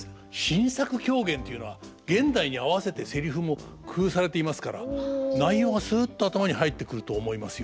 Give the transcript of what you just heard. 新作狂言というのは現代に合わせてセリフも工夫されていますから内容がすっと頭に入ってくると思いますよ。